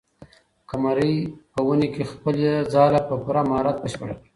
قمرۍ په ونې کې خپله ځالۍ په پوره مهارت بشپړه کړه.